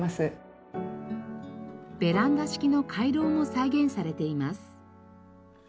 ベランダ式の回廊も再現されています。